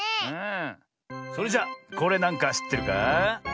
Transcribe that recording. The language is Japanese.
それじゃこれなんかしってるかあ？